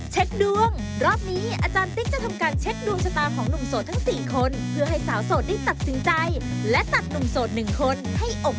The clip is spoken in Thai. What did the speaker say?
เจ๊คอยากรู้ของใครก่อนจิ้มเลยครับ